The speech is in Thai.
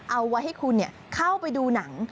เอาไว้ให้คุณเข้าไปดูหนัง